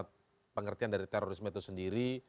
pengertian dari terorisme itu sendiri